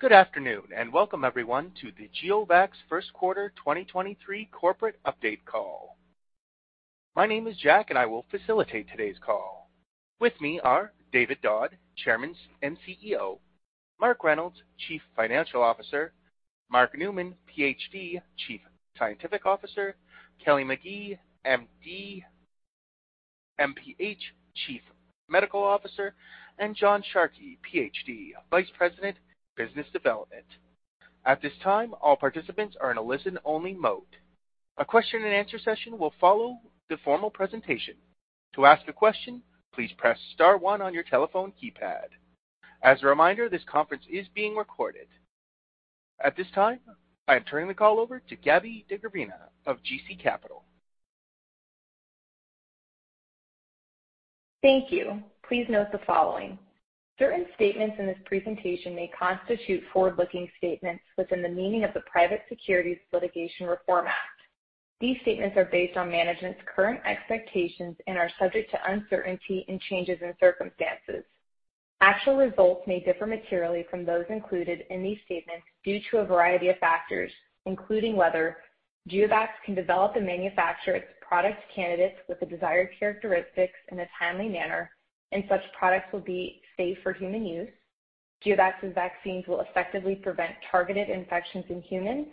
Good afternoon, and welcome everyone to the GeoVax First Quarter 2023 Corporate Update Call. My name is Jack and I will facilitate today's call. With me are David Dodd, Chairman and CEO, Mark Reynolds, Chief Financial Officer, Mark Newman, PhD, Chief Scientific Officer, Kelly McKee, MD, MPH, Chief Medical Officer, and John Sharkey, PhD, Vice President, Business Development. At this time, all participants are in a listen-only mode. A question-and-answer session will follow the formal presentation. To ask a question, please press star one on your telephone keypad. As a reminder, this conference is being recorded. At this time, I am turning the call over to Gabby DeGravina of CG Capital. Thank you. Please note the following. Certain statements in this presentation may constitute forward-looking statements within the meaning of the Private Securities Litigation Reform Act. These statements are based on management's current expectations and are subject to uncertainty and changes in circumstances. Actual results may differ materially from those included in these statements due to a variety of factors, including whether GeoVax can develop and manufacture its product candidates with the desired characteristics in a timely manner and such products will be safe for human use, GeoVax's vaccines will effectively prevent targeted infections in humans,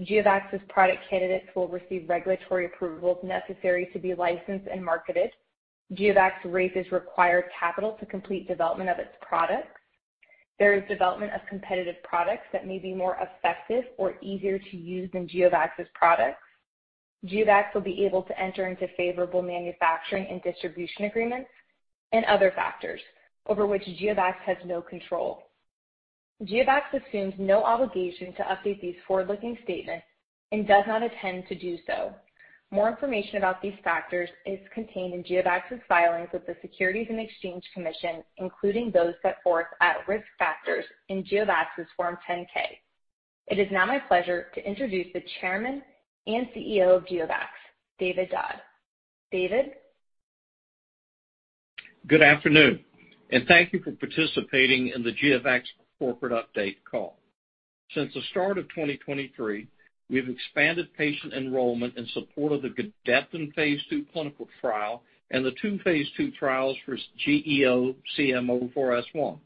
GeoVax's product candidates will receive regulatory approvals necessary to be licensed and marketed, GeoVax raises required capital to complete development of its products, there is development of competitive products that may be more effective or easier to use than GeoVax's products, GeoVax will be able to enter into favorable manufacturing and distribution agreements, and other factors over which GeoVax has no control. GeoVax assumes no obligation to update these forward-looking statements and does not intend to do so. More information about these factors is contained in GeoVax's filings with the Securities and Exchange Commission, including those set forth at Risk Factors in GeoVax's Form 10-K. It is now my pleasure to introduce the Chairman and CEO of GeoVax, David Dodd. David? Good afternoon, and thank you for participating in the GeoVax corporate update call. Since the start of 2023, we've expanded patient enrollment in support of the Gedeptin phase II clinical trial and the two phase II trials for GEO-CM04S1.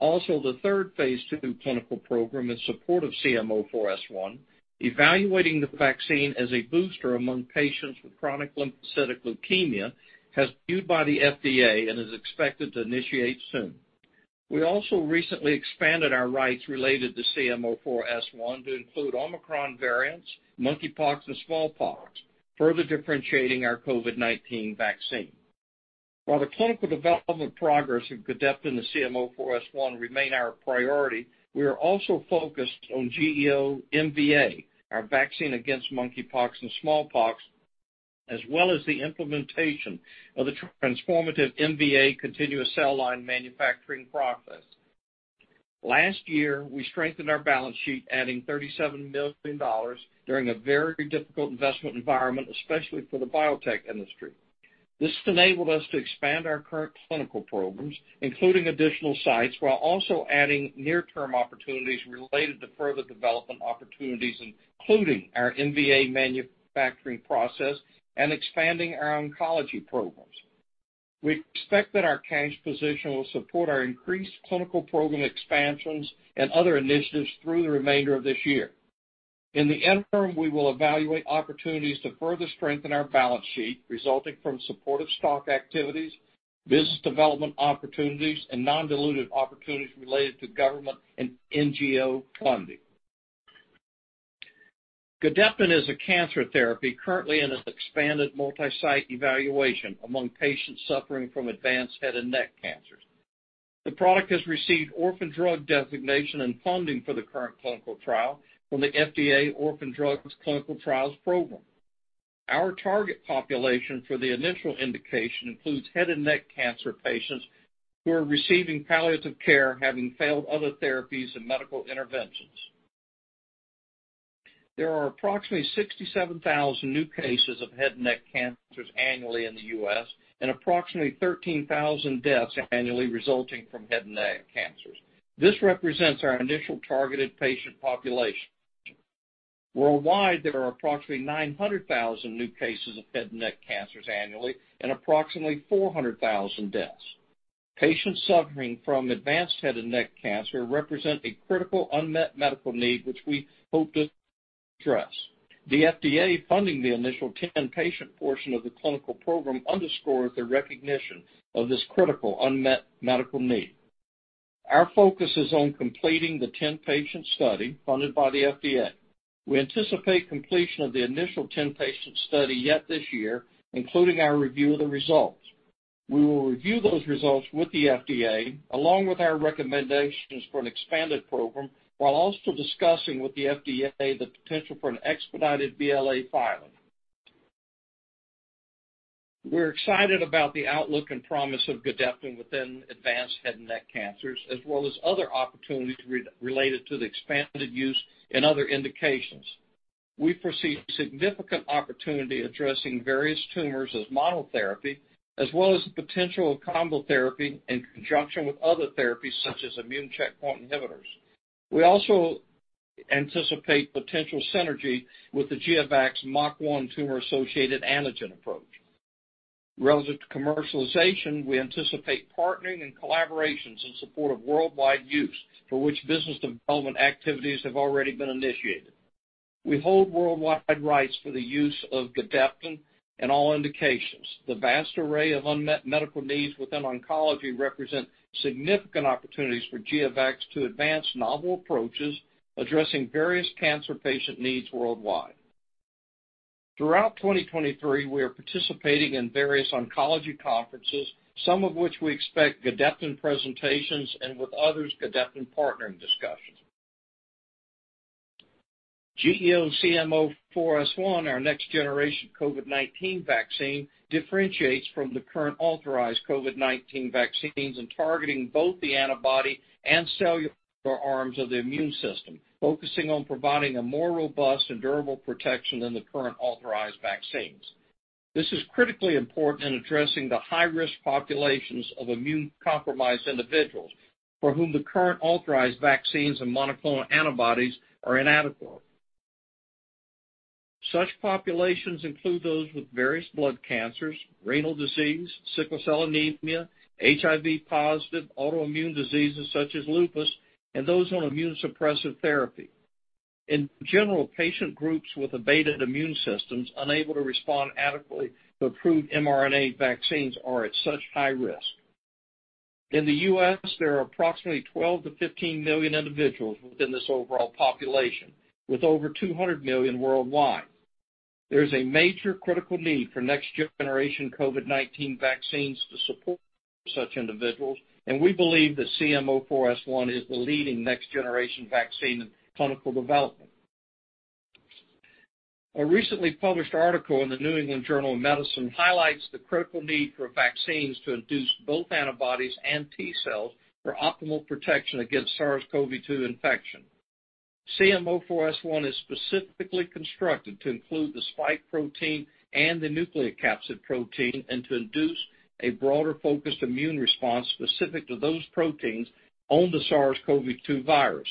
The third phase II clinical program in support of CM04S1, evaluating the vaccine as a booster among patients with chronic lymphocytic leukemia, has been reviewed by the FDA and is expected to initiate soon. We also recently expanded our rights related to CM04S1 to include Omicron variants, Mpox, and smallpox, further differentiating our COVID-19 vaccine. While the clinical development progress of Gedeptin and the CM04S1 remain our priority, we are also focused on GEO-MVA, our vaccine against Mpox and smallpox, as well as the implementation of the transformative MVA continuous cell line manufacturing process. Last year, we strengthened our balance sheet, adding $37 million during a very difficult investment environment, especially for the biotech industry. This enabled us to expand our current clinical programs, including additional sites, while also adding near-term opportunities related to further development opportunities, including our MVA manufacturing process and expanding our oncology programs. We expect that our cash position will support our increased clinical program expansions and other initiatives through the remainder of this year. In the interim, we will evaluate opportunities to further strengthen our balance sheet, resulting from supportive stock activities, business development opportunities, and non-dilutive opportunities related to government and NGO funding. Gedeptin is a cancer therapy currently in an expanded multi-site evaluation among patients suffering from advanced head and neck cancers. The product has received orphan drug designation and funding for the current clinical trial from the FDA Orphan Products Clinical Trials Grants Program. Our target population for the initial indication includes head and neck cancer patients who are receiving palliative care, having failed other therapies and medical interventions. There are approximately 67,000 new cases of head and neck cancers annually in the U.S., approximately 13,000 deaths annually resulting from head and neck cancers. This represents our initial targeted patient population. Worldwide, there are approximately 900,000 new cases of head and neck cancers annually, approximately 400,000 deaths. Patients suffering from advanced head and neck cancer represent a critical unmet medical need, which we hope to address. The FDA funding the initial 10-patient portion of the clinical program underscores their recognition of this critical unmet medical need. Our focus is on completing the 10-patient study funded by the FDA. We anticipate completion of the initial 10-patient study yet this year, including our review of the results. We will review those results with the FDA, along with our recommendations for an expanded program, while also discussing with the FDA the potential for an expedited BLA filing. We're excited about the outlook and promise of Gedeptin within advanced head and neck cancers, as well as other opportunities related to the expanded use and other indications. We foresee significant opportunity addressing various tumors as monotherapy, as well as the potential of combo therapy in conjunction with other therapies such as immune checkpoint inhibitors. We also anticipate potential synergy with the GeoVax MUC1 tumor-associated antigen approach. Relative to commercialization, we anticipate partnering and collaborations in support of worldwide use, for which business development activities have already been initiated. We hold worldwide rights for the use of Gedeptin in all indications. The vast array of unmet medical needs within oncology represent significant opportunities for GeoVax to advance novel approaches addressing various cancer patient needs worldwide. Throughout 2023, we are participating in various oncology conferences, some of which we expect Gedeptin presentations and with others, Gedeptin partnering discussions. GEO-CM04S1, our next generation COVID-19 vaccine, differentiates from the current authorized COVID-19 vaccines in targeting both the antibody and cellular arms of the immune system, focusing on providing a more robust and durable protection than the current authorized vaccines. This is critically important in addressing the high-risk populations of immune-compromised individuals for whom the current authorized vaccines and monoclonal antibodies are inadequate. Such populations include those with various blood cancers, renal disease, sickle cell anemia, HIV positive, autoimmune diseases such as lupus, and those on immunosuppressive therapy. In general, patient groups with abated immune systems unable to respond adequately to approved mRNA vaccines are at such high risk. In the U.S., there are approximately 12 million-15 million individuals within this overall population, with over 200 million worldwide. There is a major critical need for next generation COVID-19 vaccines to support such individuals. We believe that CM04S1 is the leading next generation vaccine in clinical development. A recently published article in the New England Journal of Medicine highlights the critical need for vaccines to induce both antibodies and T cells for optimal protection against SARS-CoV-2 infection. CM04S1 is specifically constructed to include the spike protein and the nucleocapsid protein, to induce a broader focused immune response specific to those proteins on the SARS-CoV-2 virus.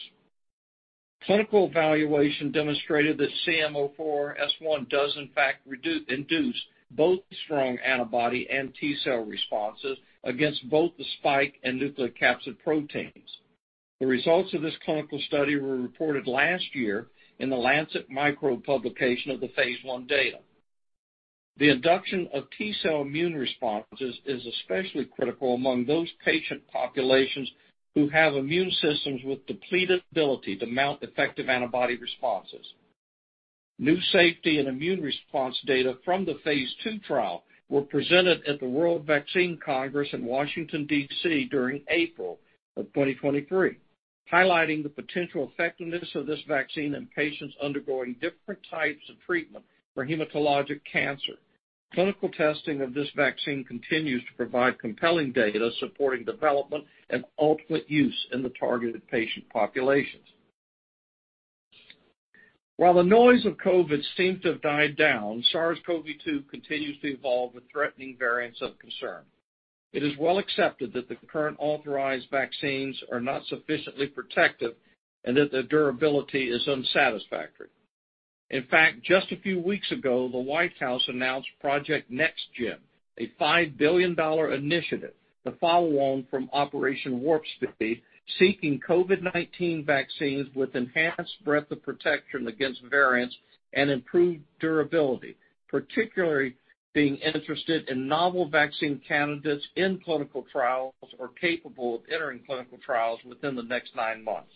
Clinical evaluation demonstrated that CM04S1 does in fact induce both strong antibody and T-cell responses against both the spike and nucleocapsid proteins. The results of this clinical study were reported last year in The Lancet Microbe publication of the phase I data. The induction of T-cell immune responses is especially critical among those patient populations who have immune systems with depleted ability to mount effective antibody responses. New safety and immune response data from the phase II trial were presented at the World Vaccine Congress in Washington, D.C., during April of 2023, highlighting the potential effectiveness of this vaccine in patients undergoing different types of treatment for hematologic cancer. Clinical testing of this vaccine continues to provide compelling data supporting development and ultimate use in the targeted patient populations. While the noise of COVID seems to have died down, SARS-CoV-2 continues to evolve with threatening variants of concern. It is well accepted that the current authorized vaccines are not sufficiently protective and that their durability is unsatisfactory. In fact, just a few weeks ago, the White House announced Project Next Gen, a $5 billion initiative, the follow-on from Operation Warp Speed, seeking COVID-19 vaccines with enhanced breadth of protection against variants and improved durability, particularly being interested in novel vaccine candidates in clinical trials or capable of entering clinical trials within the next 9 months.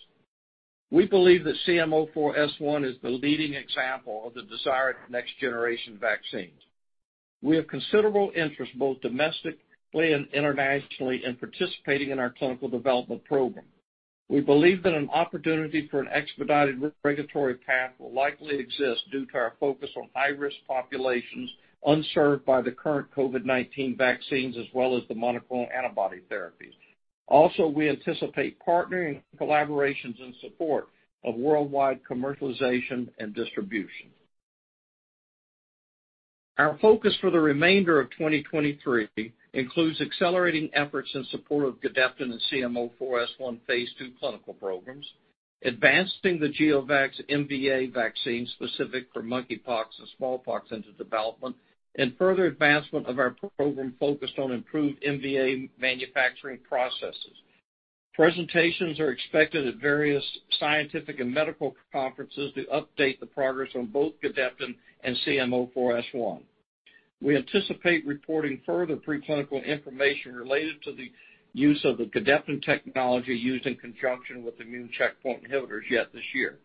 We believe that CM04S1 is the leading example of the desired next generation vaccines. We have considerable interest, both domestically and internationally, in participating in our clinical development program. We believe that an opportunity for an expedited regulatory path will likely exist due to our focus on high-risk populations unserved by the current COVID-19 vaccines as well as the monoclonal antibody therapies. We anticipate partnering collaborations in support of worldwide commercialization and distribution. Our focus for the remainder of 2023 includes accelerating efforts in support of Gedeptin and CM04S1 phase 2 clinical programs, advancing the GeoVax MVA vaccine specific for Mpox and smallpox into development, and further advancement of our program focused on improved MVA manufacturing processes. Presentations are expected at various scientific and medical conferences to update the progress on both Gedeptin and CM04S1. We anticipate reporting further pre-clinical information related to the use of the Gedeptin technology used in conjunction with immune checkpoint inhibitors yet this year.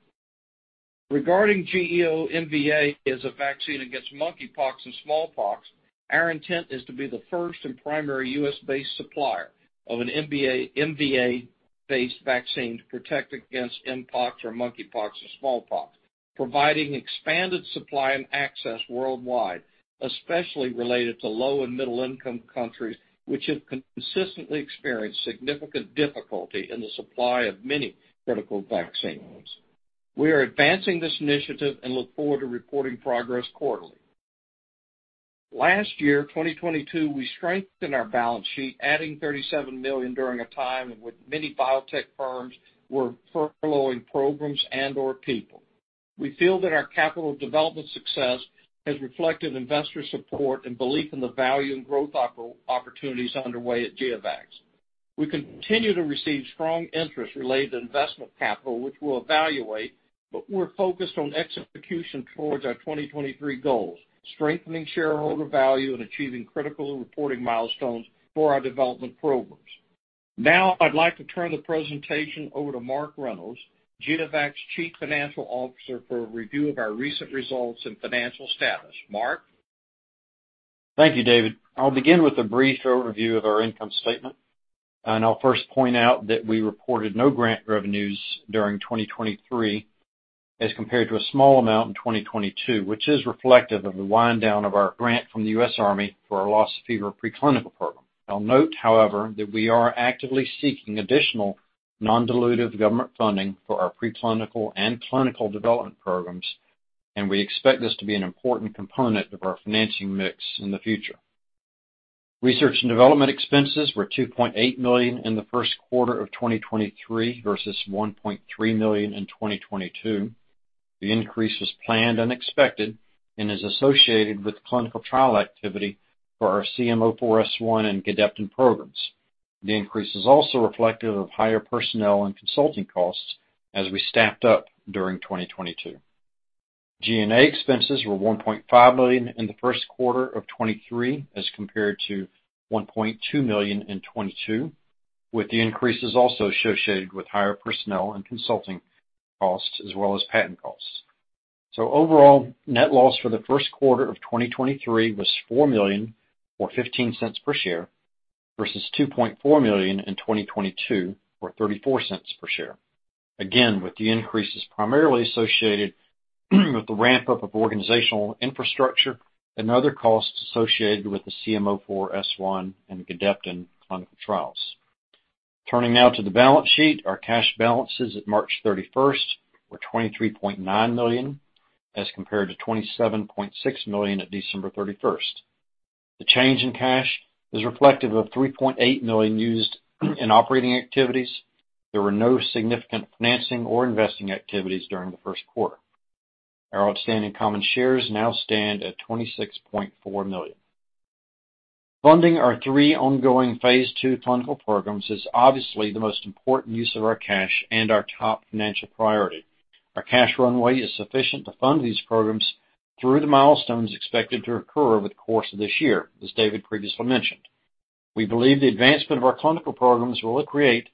Regarding GEO-MVA as a vaccine against monkeypox and smallpox, our intent is to be the first and primary US-based supplier of an MVA-based vaccine to protect against Mpox or monkeypox or smallpox, providing expanded supply and access worldwide, especially related to low and middle income countries, which have consistently experienced significant difficulty in the supply of many critical vaccines. We are advancing this initiative and look forward to reporting progress quarterly. Last year, 2022, we strengthened our balance sheet, adding $37 million during a time in which many biotech firms were furloughing programs and/or people. We feel that our capital development success has reflected investor support and belief in the value and growth opportunities underway at GeoVax. We continue to receive strong interest related to investment capital, which we'll evaluate, but we're focused on execution towards our 2023 goals, strengthening shareholder value and achieving critical reporting milestones for our development programs. I'd like to turn the presentation over to Mark Reynolds, GeoVax Chief Financial Officer, for a review of our recent results and financial status. Mark? Thank you, David. I'll begin with a brief overview of our income statement. I'll first point out that we reported no grant revenues during 2023 as compared to a small amount in 2022, which is reflective of the wind down of our grant from the U.S. Army for our Lassa fever preclinical program. I'll note, however, that we are actively seeking additional non-dilutive government funding for our preclinical and clinical development programs, and we expect this to be an important component of our financing mix in the future. Research and development expenses were $2.8 million in the first quarter of 2023 versus $1.3 million in 2022. The increase was planned and expected and is associated with clinical trial activity for our GEO-CM04S1 and Gedeptin programs. The increase is also reflective of higher personnel and consulting costs as we staffed up during 2022. G&A expenses were $1.5 million in the first quarter of 2023 as compared to $1.2 million in 2022, with the increases is also associated with higher personnel and consulting costs as well as patent costs. Overall, net loss for the first quarter of 2023 was $4 million or $0.15 per share versus $2.4 million in 2022 or $0.34 per share. With the increases primarily associated with the ramp up of organizational infrastructure and other costs associated with the GEO-CM04S1 and Gedeptin clinical trials. Turning now to the balance sheet. Our cash balances at March 31st were $23.9 million as compared to $27.6 million at December 31st. The change in cash is reflective of $3.8 million used in operating activities. There were no significant financing or investing activities during the first quarter. Our outstanding common shares now stand at 26.4 million. Funding our three ongoing phase II clinical programs is obviously the most important use of our cash and our top financial priority. Our cash runway is sufficient to fund these programs through the milestones expected to occur over the course of this year, as David previously mentioned. We believe the advancement of our clinical programs will create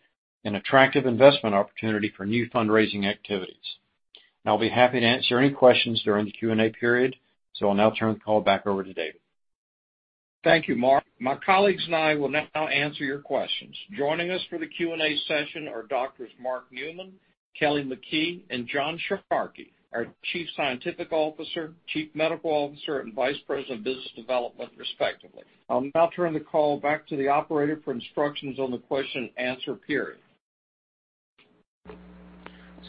an attractive investment opportunity for new fundraising activities. I'll be happy to answer any questions during the Q&A period. I'll now turn the call back over to David. Thank you, Mark. My colleagues and I will now answer your questions. Joining us for the Q&A session are doctors Mark Newman, Kelly McKee, and John Sharkey, our Chief Scientific Officer, Chief Medical Officer, and Vice President of Business Development, respectively. I'll now turn the call back to the operator for instructions on the question and answer period.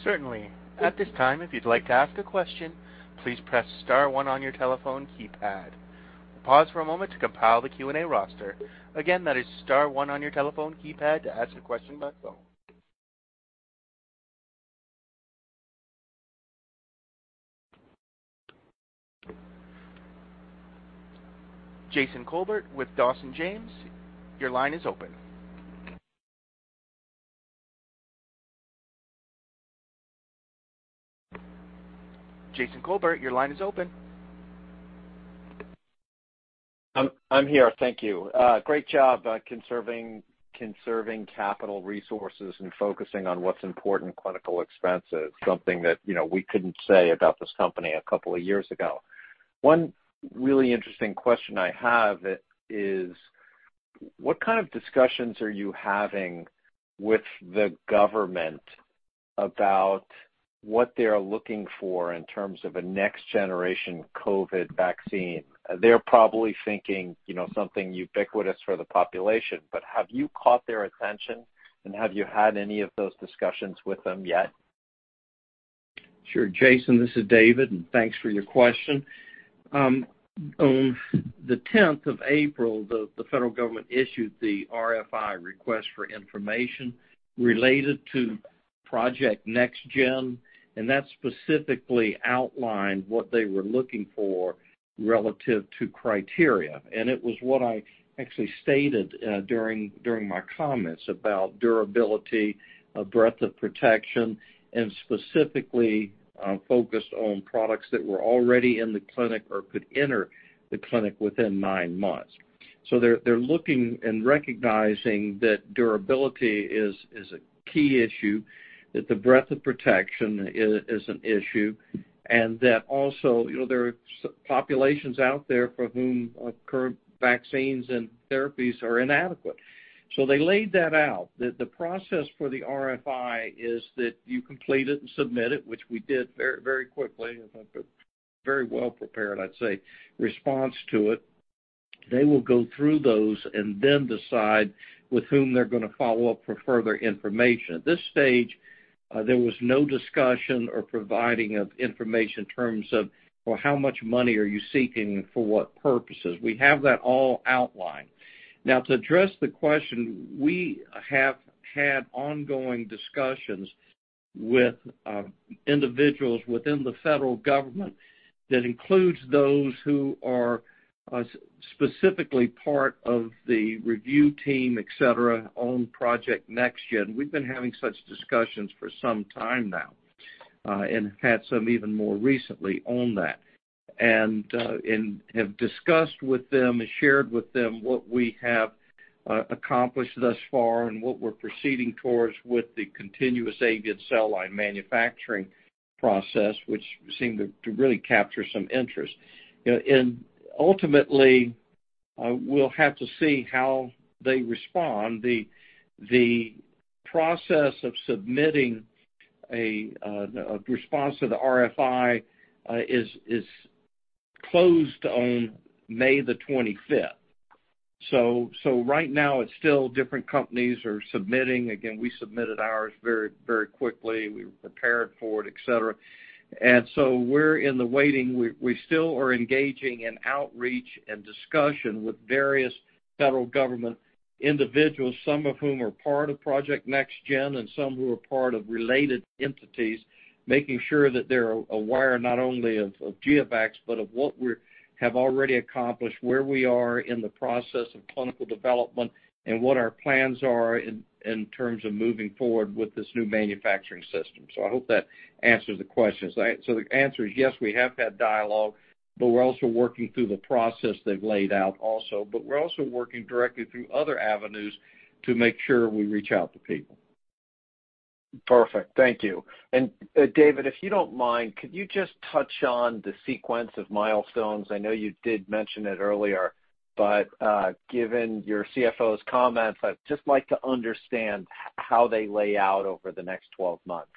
Certainly. At this time, if you'd like to ask a question, please press star one on your telephone keypad. We'll pause for a moment to compile the Q&A roster. Again, that is star one on your telephone keypad to ask a question by phone. Jason Kolbert with Dawson James, your line is open. Jason Kolbert, your line is open. I'm here. Thank you. Great job, conserving capital resources and focusing on what's important clinical expenses, something that, you know, we couldn't say about this company a couple of years ago. One really interesting question I have is what kind of discussions are you having with the government about what they are looking for in terms of a next generation COVID vaccine? They're probably thinking, you know, something ubiquitous for the population, but have you caught their attention? Have you had any of those discussions with them yet? Sure. Jason Kolbert, this is David, thanks for your question. On the 10th of April, the federal government issued the RFI request for information related to Project NextGen, that specifically outlined what they were looking for relative to criteria. It was what I actually stated during my comments about durability, breadth of protection, specifically focused on products that were already in the clinic or could enter the clinic within nine months. They're looking and recognizing that durability is a key issue, that the breadth of protection is an issue, also, you know, there are populations out there for whom current vaccines and therapies are inadequate. They laid that out. The process for the RFI is that you complete it and submit it, which we did very quickly, with a very well prepared, I'd say, response to it. They will go through those and then decide with whom they're gonna follow up for further information. At this stage, there was no discussion or providing of information in terms of, well, how much money are you seeking and for what purposes. We have that all outlined. Now to address the question, we have had ongoing discussions with individuals within the federal government that includes those who are specifically part of the review team, etc., on Project NextGen. We've been having such discussions for some time now, and had some even more recently on that. Have discussed with them and shared with them what we have accomplished thus far and what we're proceeding towards with the continuous avian cell line manufacturing process, which seemed to really capture some interest. You know, ultimately, we'll have to see how they respond. The process of submitting a response to the RFI is closed on May the 25th. Right now it's still different companies are submitting. Again, we submitted ours very quickly. We prepared for it, et cetera. We're in the waiting. We still are engaging in outreach and discussion with various federal government individuals, some of whom are part of Project NextGen, and some who are part of related entities, making sure that they're aware not only of GeoVax, but of what we have already accomplished, where we are in the process of clinical development, and what our plans are in terms of moving forward with this new manufacturing system. I hope that answers the question. The answer is yes, we have had dialogue, but we're also working through the process they've laid out also, but we're also working directly through other avenues to make sure we reach out to people. Perfect. Thank you. David, if you don't mind, could you just touch on the sequence of milestones? I know you did mention it earlier, but given your CFO's comments, I'd just like to understand how they lay out over the next 12 months.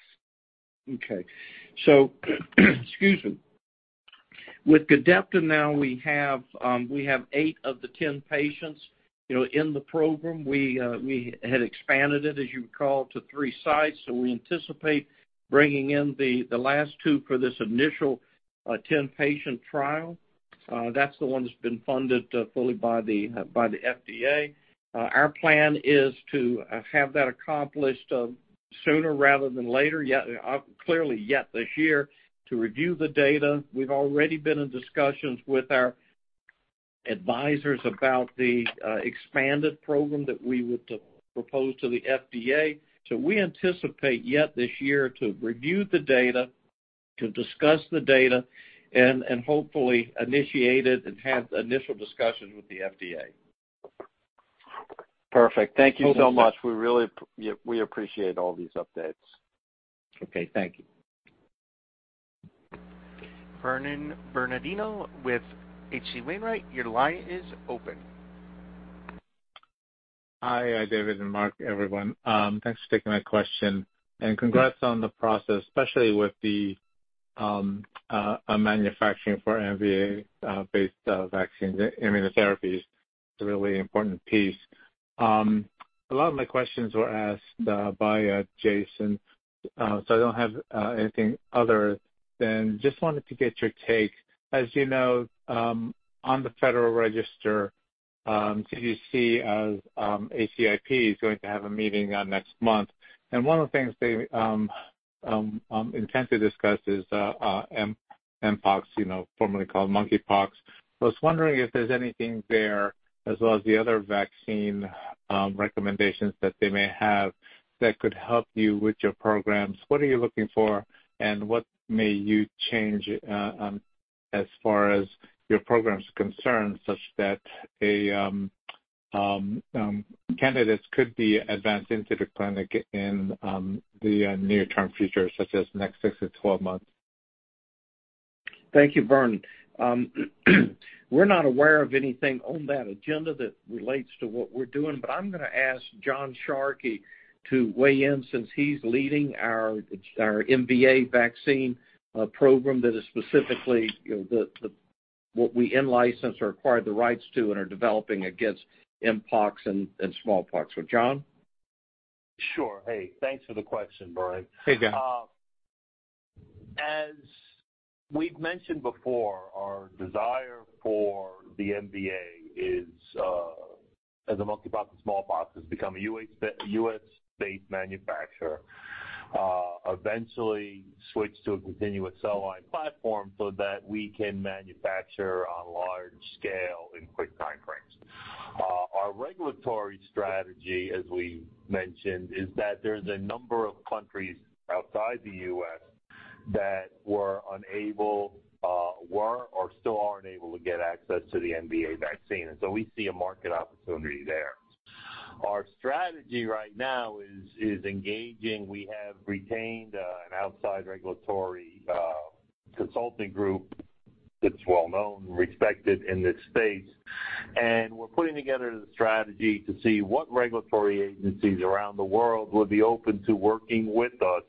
Okay. excuse me. With Gedeptin now we have eight of the 10 patients, you know, in the program. We had expanded it, as you recall, to three sites, we anticipate bringing in the last two for this initial 10-patient trial. That's the one that's been funded fully by the FDA. Our plan is to have that accomplished sooner rather than later, clearly, yet this year to review the data. We've already been in discussions with our advisors about the expanded program that we would propose to the FDA. We anticipate, yet this year, to review the data, to discuss the data, and hopefully initiate it and have initial discussions with the FDA. Perfect. Thank you so much. We really appreciate all these updates. Okay, thank you. Vernon Bernardino with H.C. Wainwright, your line is open. Hi, David and Mark, everyone. Thanks for taking my question. Congrats on the process, especially with the manufacturing for MVA based immunotherapies, it's a really important piece. A lot of my questions were asked by Jason, I don't have anything other than just wanted to get your take. As you know, on the Federal Register, CDC as ACIP is going to have a meeting next month. One of the things they intend to discuss is Mpox, you know, formerly called monkeypox. I was wondering if there's anything there as well as the other vaccine recommendations that they may have that could help you with your programs. What are you looking for, and what may you change, as far as your program's concerned such that candidates could be advanced into the clinic in, the, near-term future, such as next six-12 months? Thank you, Vernon. We're not aware of anything on that agenda that relates to what we're doing, but I'm gonna ask John Sharkey to weigh in since he's leading our MVA vaccine program that is specifically, you know, what we in-licensed or acquired the rights to and are developing against Mpox and smallpox. John? Sure. Hey, thanks for the question, Vernon. Hey, John. As we've mentioned before, our desire for the MVA is, as a monkeypox and smallpox, has become a U.S.-based manufacturer, eventually switch to a continuous cell line platform so that we can manufacture on large scale in quick time frames. Our regulatory strategy, as we mentioned, is that there's a number of countries outside the U.S. that were unable or still aren't able to get access to the MVA vaccine, and so we see a market opportunity there. Our strategy right now is engaging. We have retained an outside regulatory consulting group that's well-known and respected in this space, and we're putting together the strategy to see what regulatory agencies around the world would be open to working with us.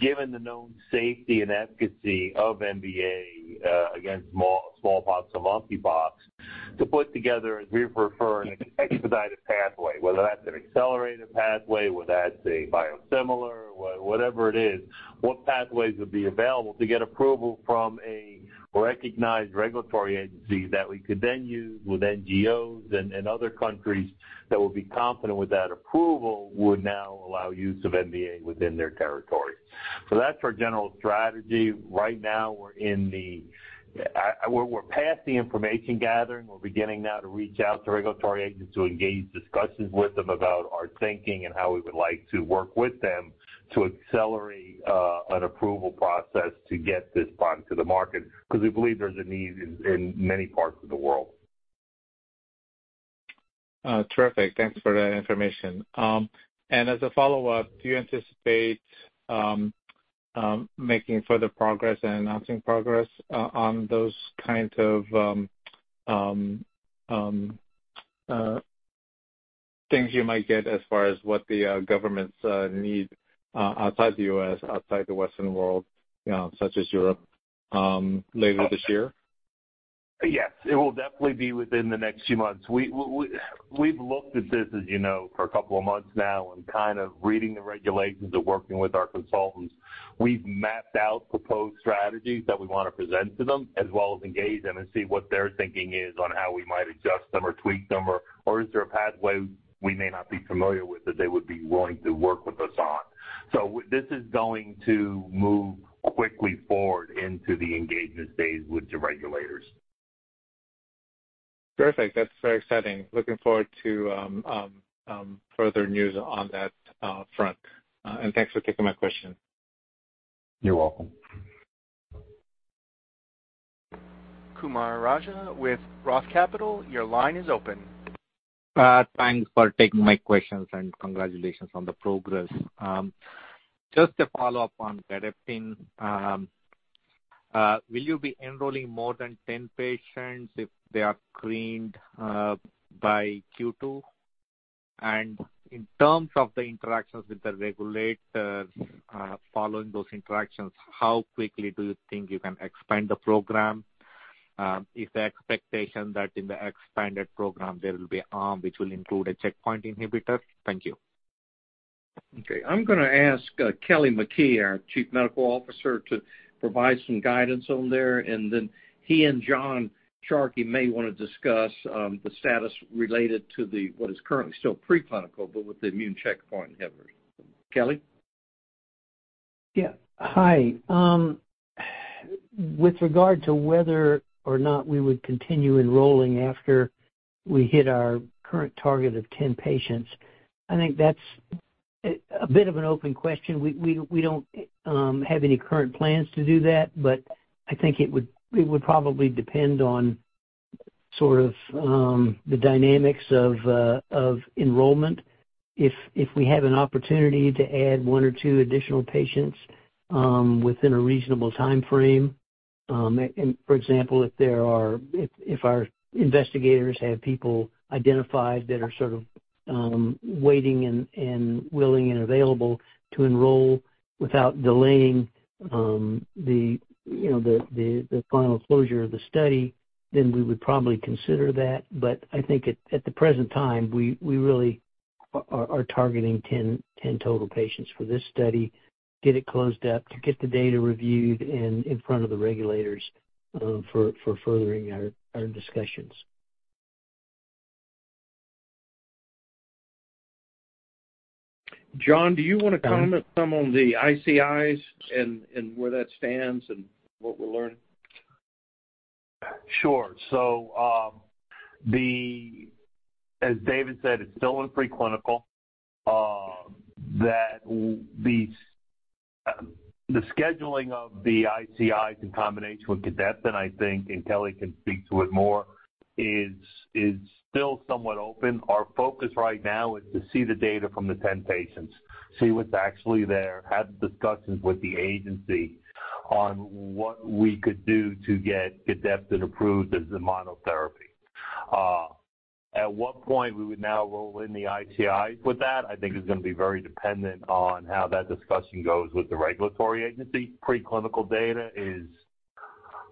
Given the known safety and efficacy of MVA against smallpox or monkeypox, to put together, as we refer, an expedited pathway, whether that's an accelerated pathway, whether that's a biosimilar, whatever it is, what pathways would be available to get approval from a recognized regulatory agency that we could then use with NGOs and other countries that will be confident with that approval would now allow use of MVA within their territory. That's our general strategy. Right now, we're past the information gathering. We're beginning now to reach out to regulatory agents to engage discussions with them about our thinking and how we would like to work with them to accelerate an approval process to get this product to the market because we believe there's a need in many parts of the world. Terrific. Thanks for that information. As a follow-up, do you anticipate making further progress and announcing progress on those kinds of things you might get as far as what the governments need outside the U.S., outside the Western world, such as Europe, later this year? Yes, it will definitely be within the next few months. We've looked at this, as you know, for a couple of months now and kind of reading the regulations of working with our consultants. We've mapped out proposed strategies that we wanna present to them, as well as engage them and see what their thinking is on how we might adjust them or tweak them or is there a pathway we may not be familiar with that they would be willing to work with us on. This is going to move quickly forward into the engagement phase with the regulators. Perfect. That's very exciting. Looking forward to further news on that front. Thanks for taking my question. You're welcome. Kumar Raja with ROTH Capital, your line is open. Thanks for taking my questions, and congratulations on the progress. Just a follow-up on Gedeptin. Will you be enrolling more than 10 patients if they are screened by Q2? In terms of the interactions with the regulators, following those interactions, how quickly do you think you can expand the program? Is the expectation that in the expanded program there will be arm which will include a checkpoint inhibitor? Thank you. I'm gonna ask Kelly McKee, our Chief Medical Officer, to provide some guidance on there, and then he and John Sharkey may wanna discuss the status related to the, what is currently still preclinical, but with the immune checkpoint inhibitors. Kelly? Hi. With regard to whether or not we would continue enrolling after we hit our current target of 10 patients, I think that's a bit of an open question. We don't have any current plans to do that, I think it would probably depend on sort of the dynamics of enrollment. If we have an opportunity to add one or two additional patients within a reasonable timeframe. For example, if our investigators have people identified that are sort of waiting and willing and available to enroll without delaying the, you know, the final closure of the study, then we would probably consider that. I think at the present time, we really are targeting 10 total patients for this study, get it closed up to get the data reviewed and in front of the regulators, for furthering our discussions. John, do you wanna comment some on the ICIs and where that stands and what we're learning? Sure. As David said, it's still in preclinical. The scheduling of the ICIs in combination with Gedeptin, I think, and Kelly can speak to it more, is still somewhat open. Our focus right now is to see the data from the 10 patients, see what's actually there, have discussions with the agency on what we could do to get Gedeptin approved as a monotherapy. At what point we would now roll in the ICIs with that, I think is gonna be very dependent on how that discussion goes with the regulatory agency. Preclinical data is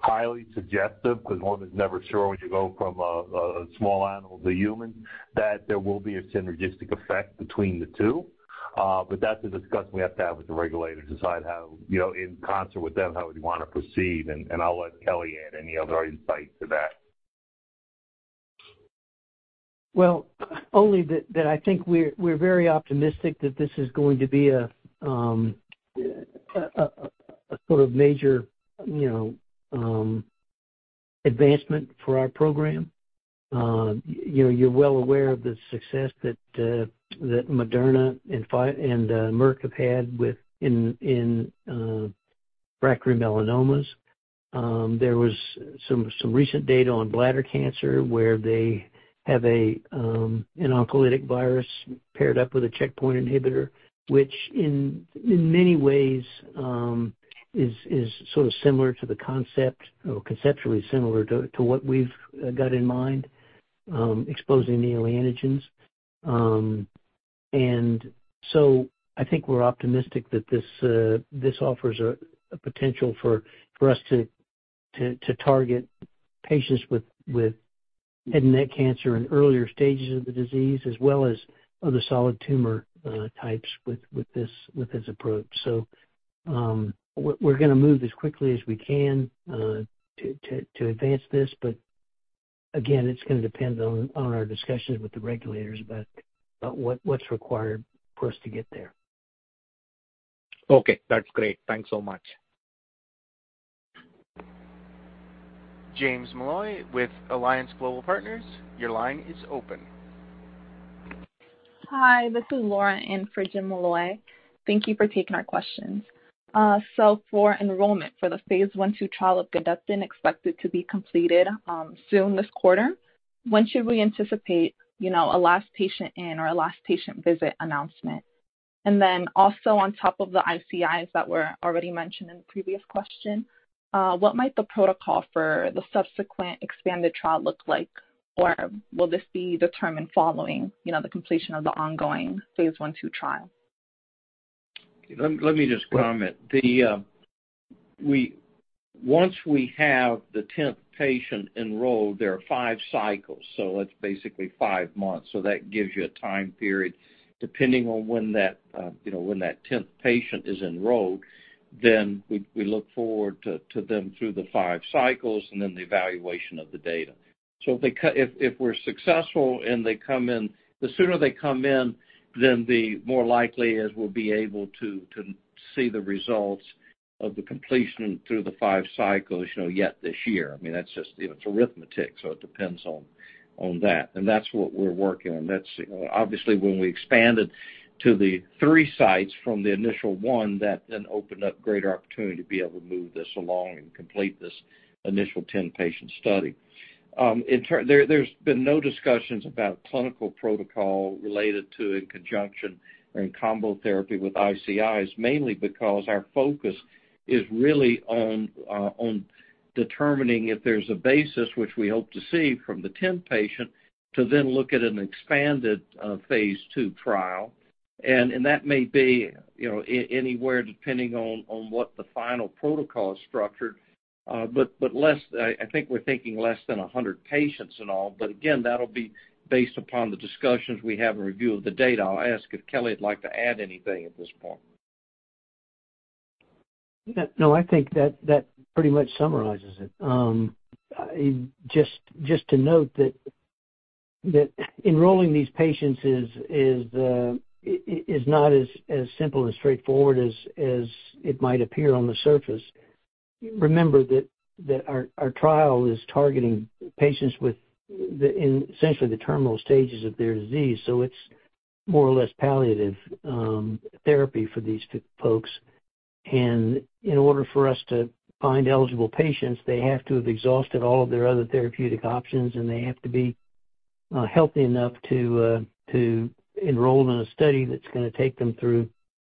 highly suggestive, because one is never sure when you go from a small animal to human that there will be a synergistic effect between the two. That's a discussion we have to have with the regulators, decide how, you know, in concert with them, how we want to proceed. I'll let Kelly add any other insight to that. Well, only that I think we're very optimistic that this is going to be a sort of major, you know, advancement for our program. You know, you're well aware of the success that Moderna and Merck have had with refractory melanoma. There was some recent data on bladder cancer where they have an oncolytic virus paired up with a checkpoint inhibitor, which in many ways is sort of similar to the concept or conceptually similar to what we've got in mind, exposing neoantigens. I think we're optimistic that this offers a potential for us to target patients with head and neck cancer in earlier stages of the disease as well as other solid tumor types with this approach. We're gonna move as quickly as we can to advance this. Again, it's gonna depend on our discussions with the regulators about what's required for us to get there. Okay, that's great. Thanks so much. James Molloy with Alliance Global Partners. Your line is open. Hi, this is Laura in for Jim Molloy. Thank you for taking our questions. For enrollment for the phase 1/2 trial of Gedeptin, expected to be completed soon this quarter, when should we anticipate, you know, a last patient in or a last patient visit announcement? Also on top of the ICIs that were already mentioned in the previous question, what might the protocol for the subsequent expanded trial look like? Or will this be determined following, you know, the completion of the ongoing phase 1/2 trial? Let me just comment. Once we have the 10th patient enrolled, there are five cycles, that's basically five months. That gives you a time period, depending on when that, you know, when that 10th patient is enrolled, then we look forward to them through the five cycles and then the evaluation of the data. If we're successful and they come in. The sooner they come in, then the more likely it is we'll be able to see the results of the completion through the five cycles, you know, yet this year. I mean, that's just, you know, it's arithmetic, so it depends on that. That's what we're working on. That's, you know. Obviously, when we expanded to the three sites from the initial one, that then opened up greater opportunity to be able to move this along and complete this initial 10-patient study. There's been no discussions about clinical protocol related to in conjunction or in combo therapy with ICIs, mainly because our focus is really on determining if there's a basis which we hope to see from the 10th patient to then look at an expanded phase II trial. That may be, you know, anywhere depending on what the final protocol is structured. but less, I think we're thinking less than 100 patients in all. Again, that'll be based upon the discussions we have in review of the data. I'll ask if Kelly would like to add anything at this point. No, I think that pretty much summarizes it. Just to note that enrolling these patients is not as simple and straightforward as it might appear on the surface. Remember that our trial is targeting patients in essentially the terminal stages of their disease, so it's more or less palliative therapy for these folks. In order for us to find eligible patients, they have to have exhausted all of their other therapeutic options, and they have to be healthy enough to enroll in a study that's gonna take them through,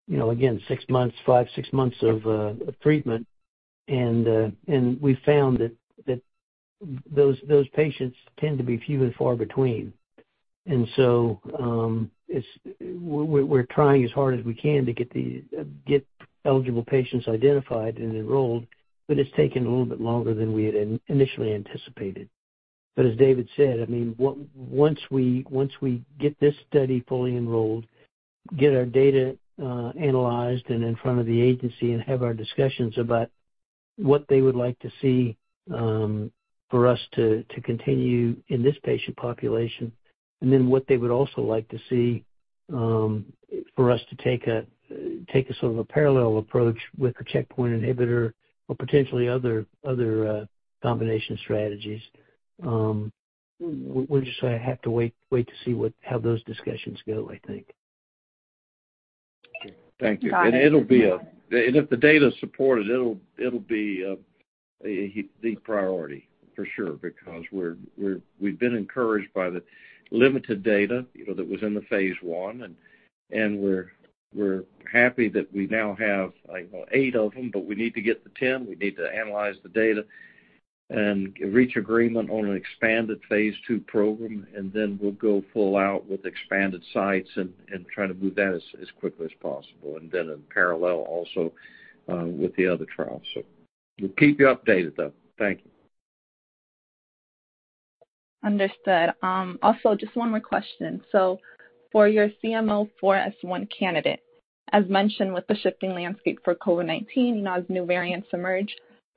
you know, again, six months, five, six months of treatment. We found that those patients tend to be few and far between. We're trying as hard as we can to get these, get eligible patients identified and enrolled, but it's taking a little bit longer than we had initially anticipated. As David said, I mean, once we get this study fully enrolled, get our data, analyzed and in front of the agency and have our discussions about what they would like to see for us to continue in this patient population, and then what they would also like to see for us to take a sort of a parallel approach with a checkpoint inhibitor or potentially other combination strategies, we're just gonna have to wait to see how those discussions go, I think. Thank you. Got it. If the data support it'll be a deep priority for sure because we've been encouraged by the limited data, you know, that was in the phase one and we're happy that we now have, like, well, eight of them, but we need to get to 10. We need to analyze the data and reach agreement on an expanded phase two program. We'll go full out with expanded sites and try to move that as quickly as possible. In parallel also, with the other trials. We'll keep you updated, though. Thank you. Understood. Also, just one more question. For your GEO-CM04S1 candidate, as mentioned with the shifting landscape for COVID-19 and as new variants emerge,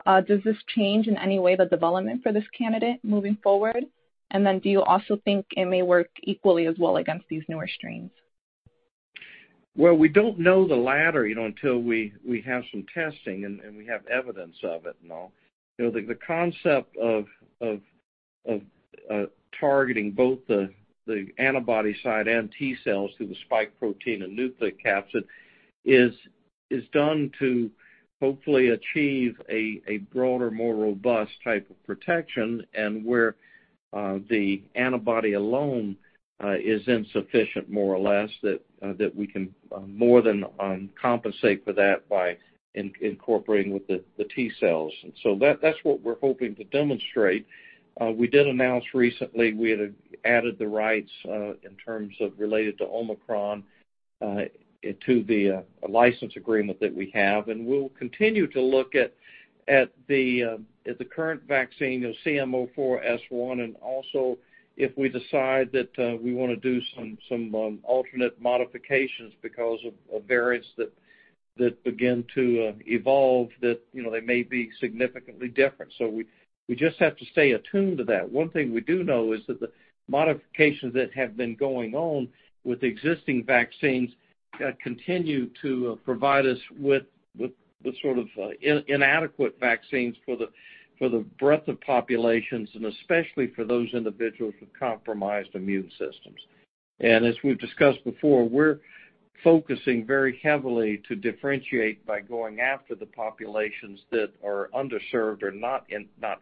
does this change in any way the development for this candidate moving forward? Do you also think it may work equally as well against these newer strains? Well, we don't know the latter, you know, until we have some testing and we have evidence of it and all. You know, the concept of, of targeting both the antibody side and T-cells through the spike protein and nucleocapsid is done to hopefully achieve a broader, more robust type of protection and where the antibody alone is insufficient more or less that we can more than compensate for that by incorporating with the T-cells. That's what we're hoping to demonstrate. We did announce recently we had added the rights in terms of related to Omicron into the license agreement that we have, and we'll continue to look at the current vaccine, you know, CMO-4S1 and also if we decide that we wanna do some alternate modifications because of variants that begin to evolve that, you know, they may be significantly different. We just have to stay attuned to that. One thing we do know is that the modifications that have been going on with existing vaccines continue to provide us with sort of inadequate vaccines for the breadth of populations and especially for those individuals with compromised immune systems. As we've discussed before, we're focusing very heavily to differentiate by going after the populations that are underserved or not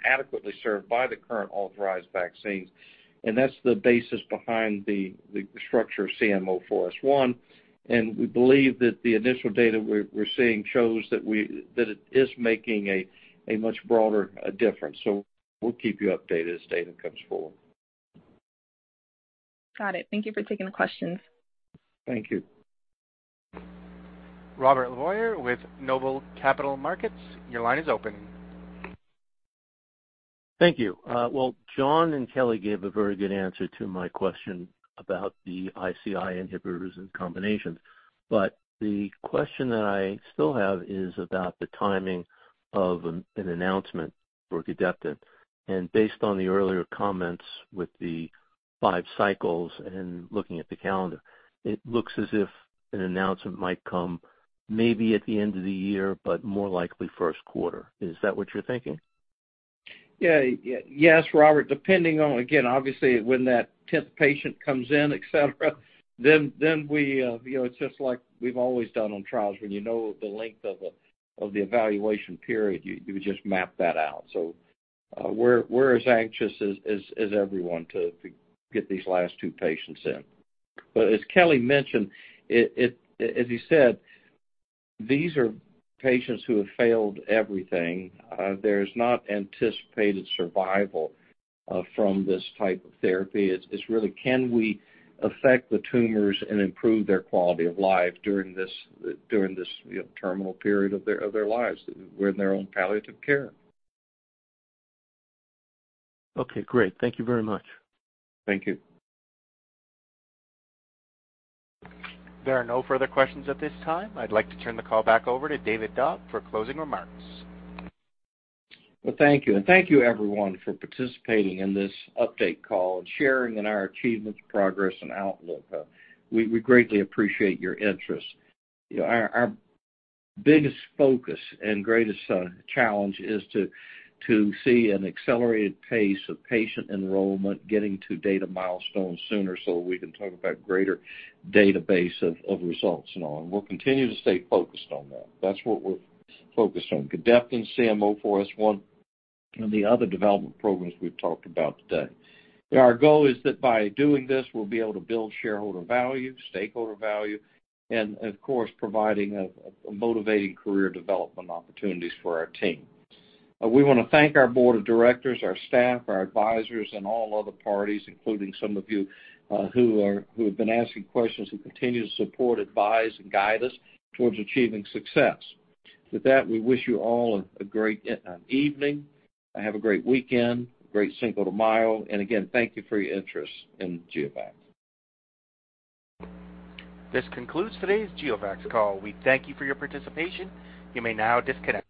adequately served by the current authorized vaccines. That's the basis behind the structure of GEO-CM04S1. We believe that the initial data we're seeing shows that it is making a much broader difference. We'll keep you updated as data comes forward. Got it. Thank you for taking the questions. Thank you. Robert LeBoyer with Noble Capital Markets, your line is open. Thank you. Well, John and Kelly gave a very good answer to my question about the ICI inhibitors and combinations. The question that I still have is about the timing of an announcement for Gedeptin. Based on the earlier comments with the five cycles and looking at the calendar, it looks as if an announcement might come maybe at the end of the year, but more likely first quarter. Is that what you're thinking? Yes, Robert, depending on, again, obviously, when that 10th patient comes in, et cetera, then we. You know, it's just like we've always done on trials. When you know the length of the evaluation period, you just map that out. We're as anxious as everyone to get these last two patients in. As Kelly mentioned, as you said, these are patients who have failed everything. There's not anticipated survival from this type of therapy. It's really can we affect the tumors and improve their quality of life during this, you know, terminal period of their lives where they're on palliative care. Okay, great. Thank you very much. Thank you. There are no further questions at this time. I'd like to turn the call back over to David Dodd for closing remarks. Well, thank you. Thank you everyone for participating in this update call and sharing in our achievements, progress and outlook. We greatly appreciate your interest. You know, our biggest focus and greatest challenge is to see an accelerated pace of patient enrollment getting to data milestones sooner so we can talk about greater database of results and all. We'll continue to stay focused on that. That's what we're focused on, Gedeptin, GEO-CM04S1, and the other development programs we've talked about today. Our goal is that by doing this, we'll be able to build shareholder value, stakeholder value, and of course, providing a motivating career development opportunities for our team. We wanna thank our board of directors, our staff, our advisors, and all other parties, including some of you, who have been asking questions and continue to support, advise, and guide us towards achieving success. With that, we wish you all a great evening, and have a great weekend, great Cinco de Mayo. Again, thank you for your interest in GeoVax. This concludes today's GeoVax call. We thank you for your participation. You may now disconnect.